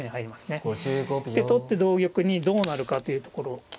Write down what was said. で取って同玉にどうなるかというところ。